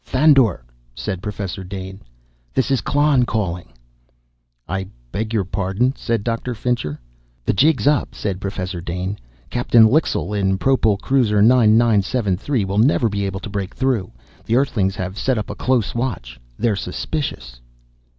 "Thandor," said Professor Dane, "this is Klon calling." "I beg your pardon?" said Doctor Fincher. "The jig's up," said Professor Dane. "Captain Ixl in propul cruiser nine nine seven three will never be able to break through. The Earthlings have set up a close watch they're suspicious."